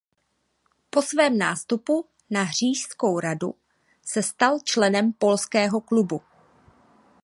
Po svém nástupu na Říšskou radu se stal členem Polského klubu.